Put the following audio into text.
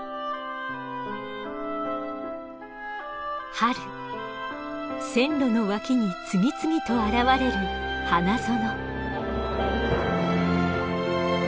春線路の脇に次々と現れる花園。